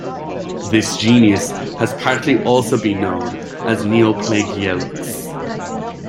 This genus has partly also been known as Neoplagiaulax.